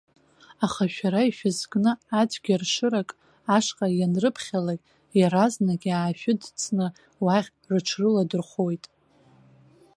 Аха шәара ишәызкны ацәгьаршырак ашҟа ианрыԥхьалак, иаразнак иаашәыдҵны уахь рыҽрыладырхәуеит.